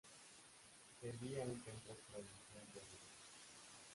Servía a un templo provincial de Harima.